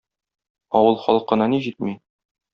Авыл халкына ни җитми